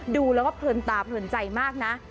ดูแล้วก็เพลินตาเพลินใจมากนะ